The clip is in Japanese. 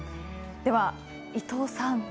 では、伊藤さん